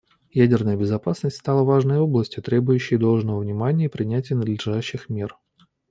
Ядерная безопасность стала важной областью, требующей должного внимания и принятия надлежащих мер.